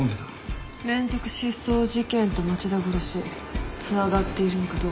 連続失踪事件と町田殺しつながっているのかどうか。